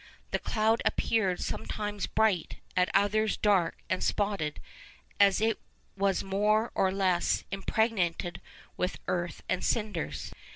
The cloud appeared sometimes bright, at others dark and spotted, as it was more or less impregnated with earth and cinders.